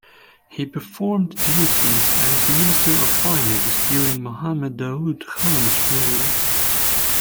He performed duties as Minister of Finance during Mohammad Daud Khan's rule.